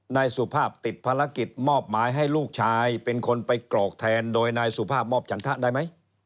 นายสุภาพติดภารกิจมอบหมายให้ลูกชายเป็นคนไปกรอกแทนโดยนายสุภาพมอบจันทะได้ไหม